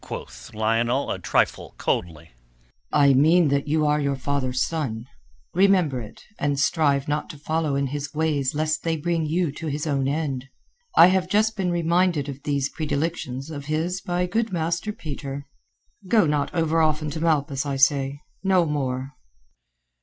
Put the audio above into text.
quoth Lionel a trifle coldly. "I mean that you are your father's son. Remember it, and strive not to follow in his ways lest they bring you to his own end. I have just been reminded of these predilections of his by good Master Peter. Go not over often to Malpas, I say. No more."